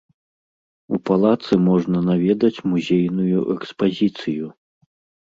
У палацы можна наведаць музейную экспазіцыю.